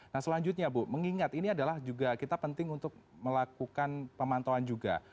nah selanjutnya bu mengingat ini adalah juga kita penting untuk melakukan pemantauan juga